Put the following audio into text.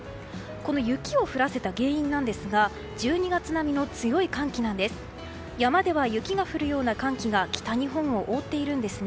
この雪を降らせた原因なんですが１２月並みの強い寒気なんです。